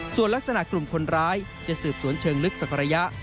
ส่วนลักษณะกลุ่มคนร้ายจะสืบสวนเชิงลึกสักระยะ